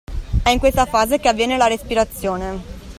È in questa fase che avviene la respirazione.